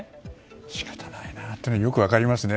仕方ないなというのはよく分かりますね。